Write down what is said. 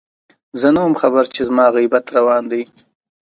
زه نه وم خبر چې زما غيبت روان دی